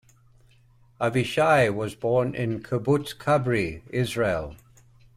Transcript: Avishai was born in Kibbutz Kabri, Israel.